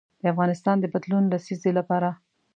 د افغانستان د بدلون لسیزې لپاره.